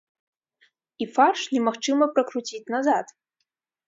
І фарш немагчыма пракруціць назад.